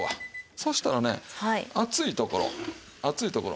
そしたらね熱いところ熱いところ。